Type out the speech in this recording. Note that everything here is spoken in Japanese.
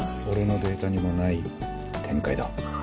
俺のデータにもない展開だ。